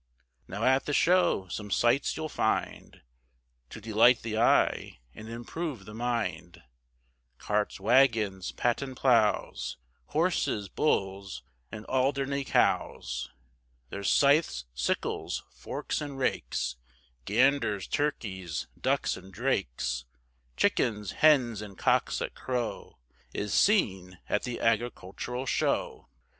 Now at the Show some sights you'll find, To delight the eye and improve the mind, Carts, waggons, patent ploughs, Horses, bulls, and Alderney cows. There's scythes, sickles, forks and rakes, Ganders, turkeys, ducks and drakes, Chickens, hens, and cocks that crow, Is seen at the Agricultural Show.